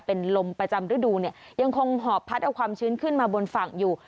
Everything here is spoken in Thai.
เป็นลมประจำฤดูเนี่ยยังคงหอบพัดเอาความชื้นขึ้นมาบนฝั่งอยู่